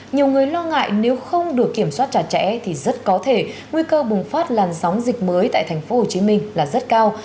nhiều người lo ngại nếu không được kiểm soát chặt chẽ thì rất có thể nguy cơ bùng phát làn sóng dịch mới tại tp hcm là rất cao